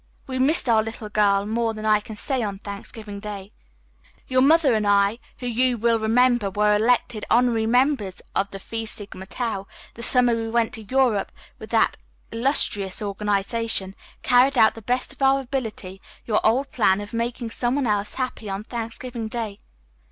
We missed our little girl more than I can say on Thanksgiving Day. Your mother and I, who, you will remember, were elected honorary members of the Phi Sigma Tau the summer we went to Europe with that illustrious organization, carried out to the best of our ability your old plan of making some one else happy on Thanksgiving Day.